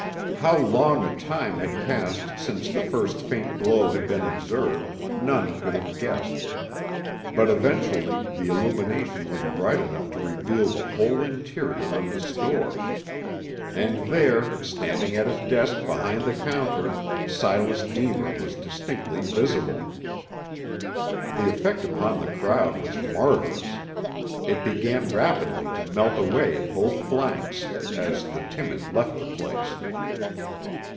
How long a time had passed since the first faint glow had been observed none could have guessed, but eventually the illumination was bright enough to reveal the whole interior of the store; and there, standing at his desk behind the counter, Silas Deemer was distinctly visible! The effect upon the crowd was marvelous. It began rapidly to melt away at both flanks, as the timid left the place.